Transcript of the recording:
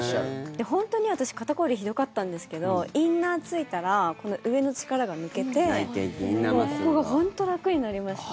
本当に私肩凝りひどかったんですけどインナーがついたら上の力が抜けてここが本当に楽になりました。